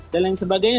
dan lain sebagainya